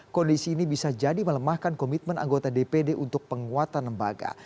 kondisi ini bisa jadi melemahkan komitmen anggota dpd untuk penguatan lembaga